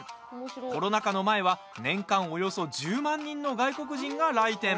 コロナ禍の前は年間およそ１０万人の外国人が来店。